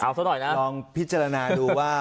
เอาเท่าไหร่นะครับลองพิจารณาดูว่า